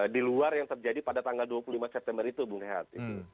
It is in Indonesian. di luar yang terjadi pada tanggal dua puluh lima september itu bung heart